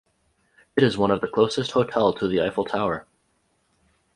It is one of the closest hotel to the Eiffel Tower.